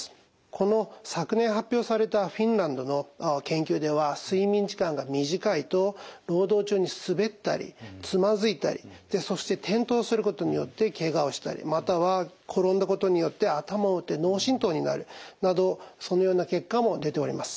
この昨年発表されたフィンランドの研究では睡眠時間が短いと労働中に滑ったりつまずいたりそして転倒することによってケガをしたりまたは転んだことによって頭を打って脳震とうになるなどそのような結果も出ております。